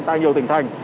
tại nhiều tỉnh thành